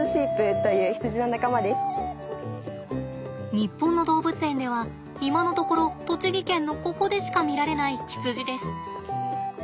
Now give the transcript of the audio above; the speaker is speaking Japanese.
日本の動物園では今のところ栃木県のここでしか見られないヒツジです。